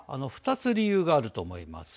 ２つ、理由があると思います。